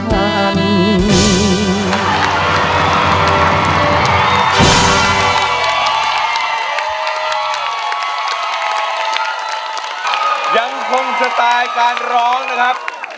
การร้องของพี่นี้ยังคงสไตล์การร้องนะครับ